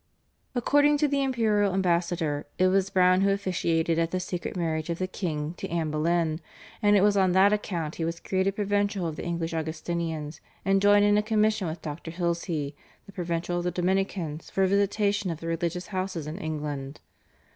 According to the imperial ambassador it was Browne who officiated at the secret marriage of the king to Anne Boleyn, and it was on that account he was created provincial of the English Augustinians and joined in a commission with Dr. Hilsey, the provincial of the Dominicans, for a visitation of the religious houses in England.